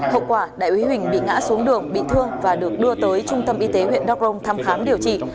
hậu quả đại úy huỳnh bị ngã xuống đường bị thương và được đưa tới trung tâm y tế huyện đắk rông thăm khám điều trị